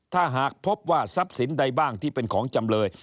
ถ้าหากพบว่าทรัพย์สินใดบ้างที่เป็นของจำเลย